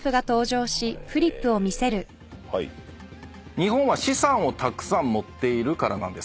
日本は資産をたくさん持っているからなんです。